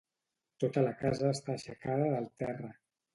Tota la casa està aixecada del terra.